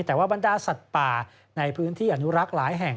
แต่ว่าบรรดาสัตว์ป่าในพื้นที่อนุรักษ์หลายแห่ง